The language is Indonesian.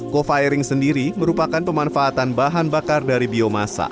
co firing sendiri merupakan pemanfaatan bahan bakar dari biomasa